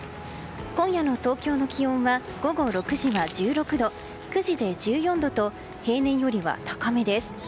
今夜の東京の気温は午後６時は１６度９時で１４度と平年よりは高めです。